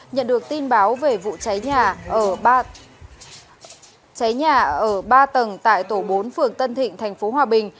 nhận được tin báo về vụ cháy nhà ở ba tầng tại tổ bốn phường tân thịnh tp hòa bình